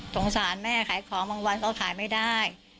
สงสารแม่ขายของบางวันก็ขายไม่ได้